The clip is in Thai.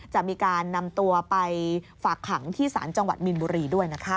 จะมีการนำตัวไปฝากขังที่ศาลจังหวัดมีนบุรีด้วยนะคะ